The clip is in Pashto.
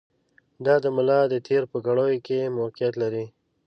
دا د ملا د تېر په کړیو کې موقعیت لري.